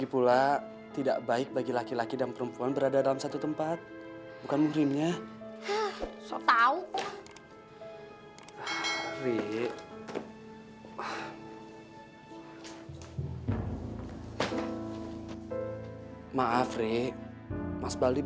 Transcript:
pakai berikan lebihan sekolah emas ini